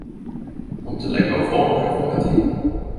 Måtte leggje ho frå meg for ei tid.